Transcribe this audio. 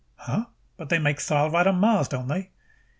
"Huh? But they make thyle right on Mars, don't they?"